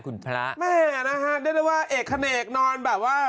คุณพระแม่นะฮะได้ได้ว่าเอกขนาดเอกนอนแบบว่า